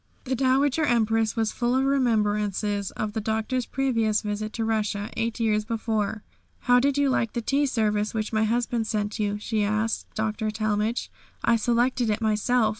The Dowager Empress was full of remembrances of the Doctor's previous visit to Russia, eight years before. "How did you like the tea service which my husband sent you?" she asked Dr. Talmage; "I selected it myself.